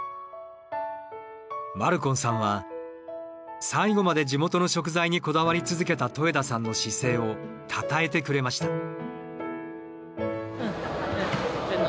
マルコンさんは最後まで地元の食材にこだわり続けた戸枝さんの姿勢をたたえてくれました。